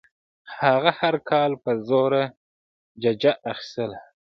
هغه هر کال په زوره ججه اخیستله.